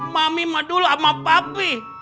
mami mah dulu sama papi